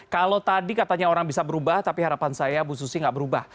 kalau tadi katanya orang bisa berubah tapi harapan saya bu susi nggak berubah